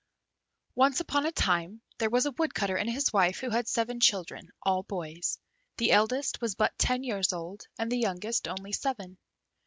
Once upon a time there was a Woodcutter and his wife who had seven children, all boys; the eldest was but ten years old, and the youngest only seven.